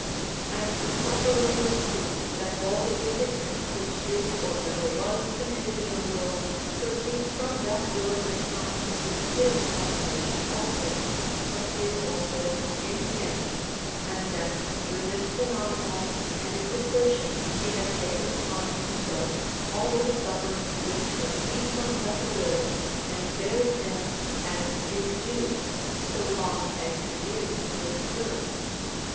And the sufferer would see that all the wickedness which is or ever was committed in the world proceeds from that will which constitutes his own nature also, appears also in him, and that through this phenomenon and its assertion he has taken upon himself all the sufferings which proceed from such a will and bears them as his due, so long as he is this will.